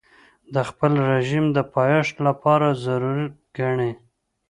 د خپل رژیم د پایښت لپاره ضرور ګڼي.